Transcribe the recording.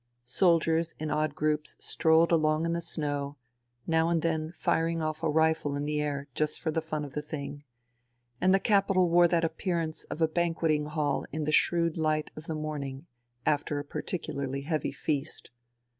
Soldiers in odd groups strolled along in the snow, now and then firing off a rifle in the air, just for the fun of the thing ; and the capital wore that appearance of a banqueting hall in the shrewd Hght of the morn ing after a particularly heavy feast.